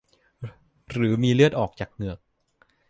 หรือมีเลือดออกจากเหงือก